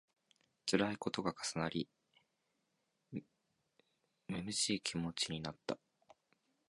つらいことが重なり、恨めしい気持ちになった